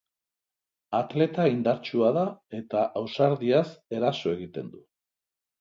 Atleta indartsua da, eta ausardiaz eraso egiten du.